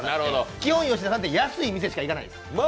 基本吉田さんって安い店しか行かないんです。